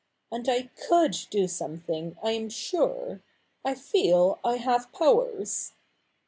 And I could do something, I am sure. I feel I have powers.'